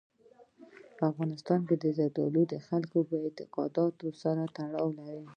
په افغانستان کې زردالو د خلکو د اعتقاداتو سره تړاو لري.